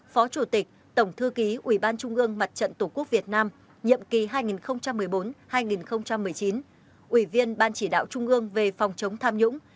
phó chủ tịch tổng thư ký ủy ban trung ương mặt trận tổ quốc việt nam nhiệm kỳ hai nghìn một mươi bốn hai nghìn một mươi chín ủy viên ban chỉ đạo trung ương về phòng chống tham nhũng